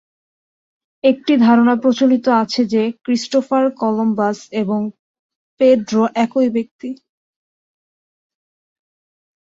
একটি ধারণা প্রচলিত আছে যে ক্রিস্টোফার কলম্বাস এবং পেড্রো একই ব্যক্তি।